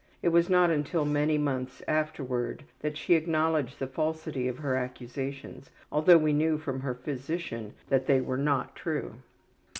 It was not until many months afterward that she acknowledged the falsity of her accusations, although we knew from her physician that they were not true.)